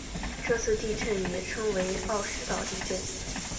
这次地震也称为奥尻岛地震。